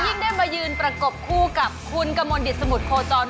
ยิ่งได้มายืนประกบคู่กับคุณกมลดิตสมุทรโคจร